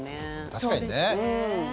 確かにね。